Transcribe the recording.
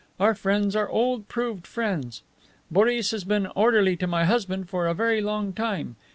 Our friends are old proved friends. Boris has been orderly to my husband for a very long time.